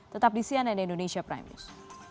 tetap di cnn indonesia prime news